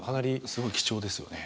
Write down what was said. すごい貴重ですよね。